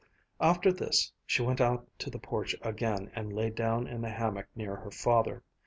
After this she went out to the porch again and lay down in the hammock near her father.